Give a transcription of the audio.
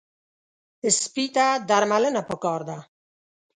سپي ته درملنه پکار ده.